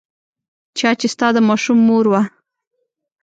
چا چې ستا د ماشوم مور وه.